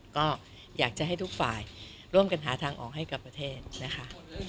ก็อยากจะให้ทุกฝ่ายร่วมกันหาทางออกให้กับประเทศนะคะ